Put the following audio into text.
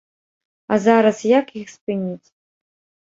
А зараз як іх спыніць?